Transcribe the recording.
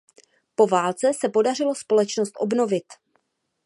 Po válce se podařilo společnost obnovit.